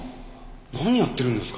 何やってるんですか？